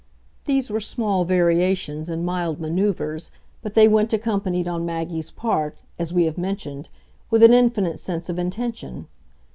These were small variations and mild manoeuvres, but they went accompanied on Maggie's part, as we have mentioned, with an infinite sense of intention.